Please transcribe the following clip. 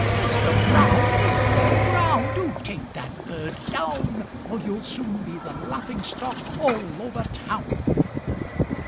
Mister Brown! Mister Brown! Do take that bird down, Or you'll soon be the laughing stock all over town!"